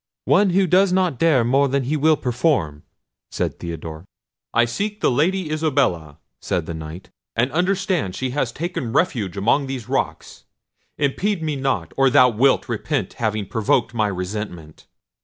"One who does not dare more than he will perform," said Theodore. "I seek the Lady Isabella," said the Knight, "and understand she has taken refuge among these rocks. Impede me not, or thou wilt repent having provoked my resentment."